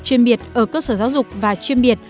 chuyên biệt ở cơ sở giáo dục và chuyên biệt